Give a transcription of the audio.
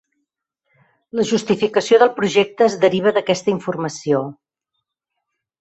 La justificació del projecte es deriva d'aquesta informació.